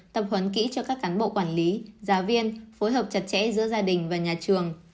tập huấn kỹ cho các cán bộ quản lý giáo viên phối hợp chặt chẽ giữa gia đình và nhà trường